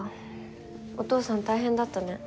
お父さん大変だったね。